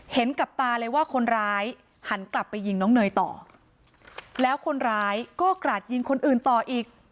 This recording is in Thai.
เห็นกับตาเลยว่าคนร้ายหันกลับไปยิงน้องเนยต่อแล้วคนร้ายก็กราดยิงคนอื่นต่ออีก